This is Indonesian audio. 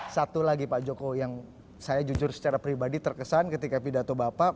satu lagi pak joko yang saya jujur secara pribadi terkesan ketika pidato bapak